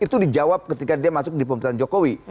itu dijawab ketika dia masuk di pemerintahan jokowi